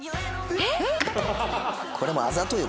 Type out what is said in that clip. えっ！？